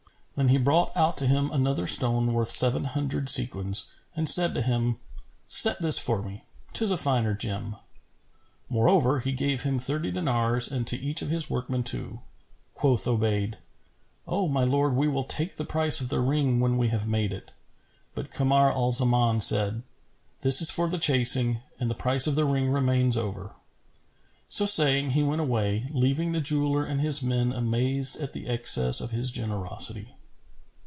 Then he brought out to him another stone worth seven hundred sequins and said to him, "Set this for me: 'tis a finer gem." Moreover he gave him thirty dinars and to each of his workmen two. Quoth Obayd, "O my lord we will take the price of the ring when we have made it."[FN#407] But Kamar al Zaman said, "This is for the chasing, and the price of the ring remains over." So saying, he went away home, leaving the jeweller and his men amazed at the excess of his generosity.